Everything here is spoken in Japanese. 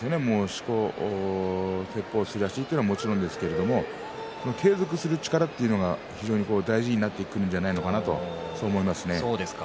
しこ、てっぽう、すり足はもちろんですけど継続する力というのが非常に大事になってくるのではないかなと、そう思います。